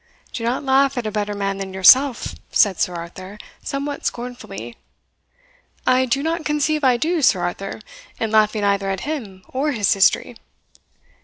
"Do not laugh at a better man than yourself," said Sir Arthur, somewhat scornfully. "I do not conceive I do, Sir Arthur, in laughing either at him or his history."